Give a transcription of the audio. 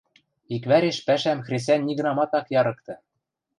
Иквӓреш пӓшӓм хресӓнь нигынамат ак ярыкты.